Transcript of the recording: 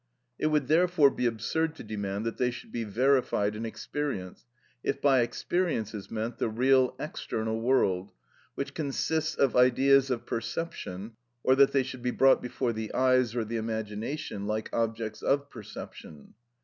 It would, therefore, be absurd to demand that they should be verified in experience, if by experience is meant the real external world, which consists of ideas of perception, or that they should be brought before the eyes or the imagination like objects of perception.